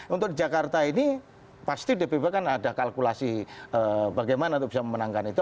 untuk di jakarta ini pasti dpp kan ada kalkulasi bagaimana untuk bisa memenangkan itu